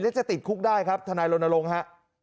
และจะติดคุกได้ครับธนายโรนโลงฮะ